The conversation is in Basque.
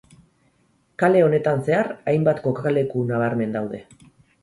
Kale honetan zehar hainbat kokaleku nabarmen daude.